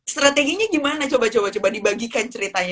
strateginya gimana coba coba dibagikan ceritanya